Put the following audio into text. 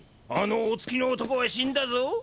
あのお付きの男は死んだぞ。